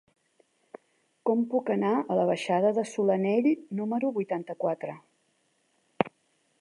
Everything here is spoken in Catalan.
Com puc anar a la baixada de Solanell número vuitanta-quatre?